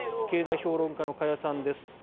経済評論家の加谷さんです